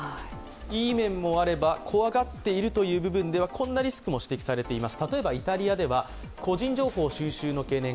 いい面もあれば怖がっているという部分ではこんなリスクも指摘されています。